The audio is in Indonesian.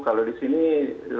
kalau di sini lebaran